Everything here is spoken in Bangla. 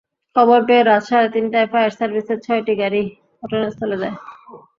খবর পেয়ে রাত সাড়ে তিনটায় ফায়ার সার্ভিসের ছয়টি গাড়ি ঘটনাস্থলে যায়।